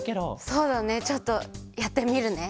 そうだねちょっとやってみるね。